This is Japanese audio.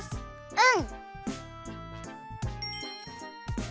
うん。